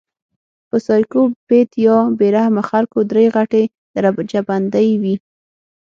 پۀ سايکو پېت يا بې رحمه خلکو درې غټې درجه بندۍ وي